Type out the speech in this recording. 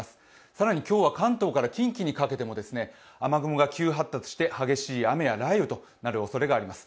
更に今日は関東から近畿にかけても雨雲が急発達して激しい雨や雷雨となるおそれがあります。